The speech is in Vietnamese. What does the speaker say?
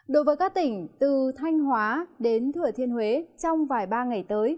đối với các tỉnh từ thanh hóa đến thừa thiên huế trong vài ba ngày tới